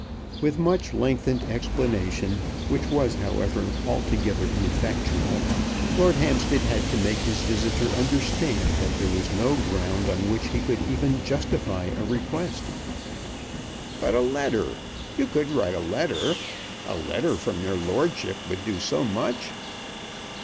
With much lengthened explanation, which was, however, altogether ineffectual, Lord Hampstead had to make his visitor understand that there was no ground on which he could even justify a request. "But a letter! You could write a letter. A letter from your lordship would do so much."